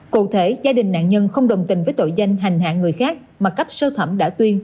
cụ thể gia đình nạn nhân không đồng tình với tội danh hành hạ người khác mà cấp sơ thẩm đã tuyên